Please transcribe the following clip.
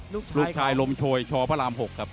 ลูกชายลมชวยชพหลาม๖ครับ